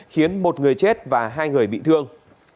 khiến một người chết và hai người bị thương